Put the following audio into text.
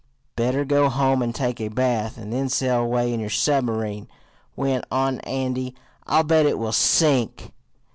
"Better go home and take a bath, and then sail away in your submarine," went on Andy. "I'll bet it will sink."